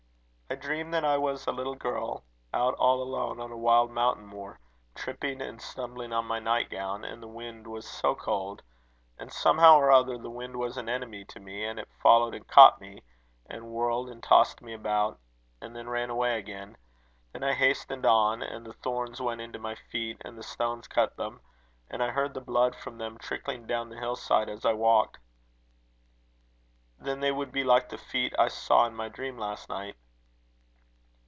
"I dreamed that I was a little girl, out all alone on a wild mountain moor, tripping and stumbling on my night gown. And the wind was so cold! And, somehow or other, the wind was an enemy to me, and it followed and caught me, and whirled and tossed me about, and then ran away again. Then I hastened on, and the thorns went into my feet, and the stones cut them. And I heard the blood from them trickling down the hill side as I walked." "Then they would be like the feet I saw in my dream last night."